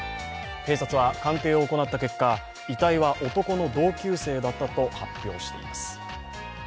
警察は鑑定を行った結果遺体は男の同級生だったと発表しています。